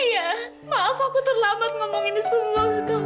iya maaf aku terlambat ngomong ini semua ke kamu